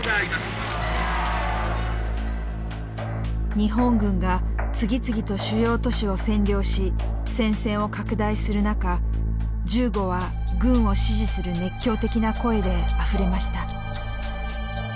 日本軍が次々と主要都市を占領し戦線を拡大する中銃後は軍を支持する熱狂的な声であふれました。